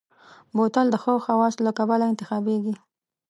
بوتل د ښو خواصو له کبله انتخابېږي.